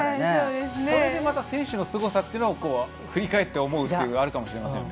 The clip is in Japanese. それでまた選手のすごさというのを振り返って思うってあるかもしれませんね。